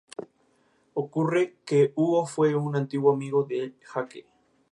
Ese año se fue a Portugal para jugar en el Lusitano de Évora.